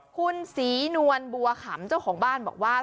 คุณศรีนวลบัวขำเจ้าของบ้านบอกว่า